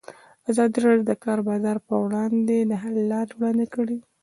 ازادي راډیو د د کار بازار پر وړاندې د حل لارې وړاندې کړي.